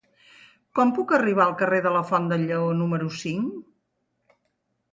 Com puc arribar al carrer de la Font del Lleó número cinc?